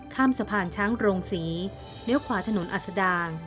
ข้ามสะพานช้างโรงศรีเลี้ยวขวาถนนอัศดาง